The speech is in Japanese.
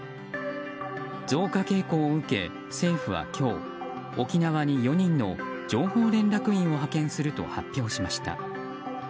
増加傾向を受け、政府は今日沖縄に４人の情報連絡員を派遣すると発表しました。